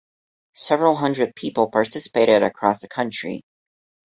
Several hundred people participated across the country.